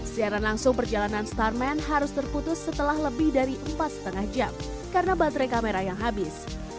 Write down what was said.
siaran langsung perjalanan starman harus terputus setelah lebih dari empat lima jam karena baterai kamera yang habis